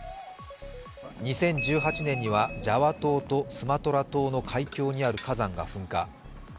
２０１８年にはジャワ島とスマトラ島の海峡にある火山が噴火。